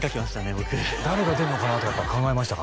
僕誰が出るのかなとか考えましたか？